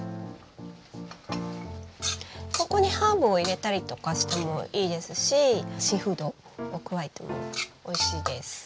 ここにハーブを入れたりとかしてもいいですしシーフードを加えてもおいしいです。